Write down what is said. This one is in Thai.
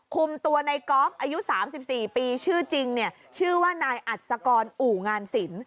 คุมตัวในกอล์ฟอายุ๓๔ปีชื่อจริงเนี่ยชื่อว่านายอัศกรอู่งานสิน